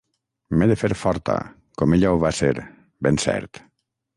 M’he de fer forta, com ella ho va ser, ben cert.